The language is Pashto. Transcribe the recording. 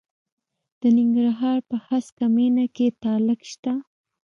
د ننګرهار په هسکه مینه کې تالک شته.